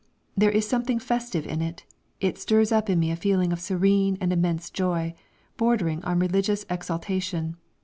There is something festive in it; it stirs up in me a feeling of serene and immense joy, bordering on religious exaltation....